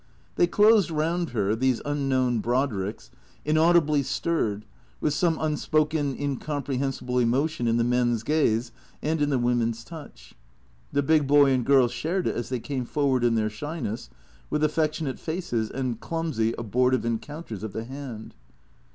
They closed round her, these unknown Brodricks, inaudibly stirred, with some unspoken, incomprehensible emotion in the men's gaze and in the women's touch. The big boy and girl shared it as they came forward in their shyness, with affection ate faces and clumsy, abortive encounters of the hand.